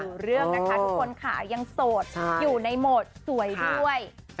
เรื่องนะคะทุกคนค่ะยังโสดอยู่ในโหมดสวยด้วย